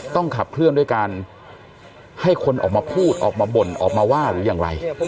ต้องขับเคลื่อนด้วยการให้คนออกมาพูดออกมาบ่นออกมาว่าหรืออย่างไร